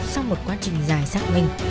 sau một quá trình dài xác minh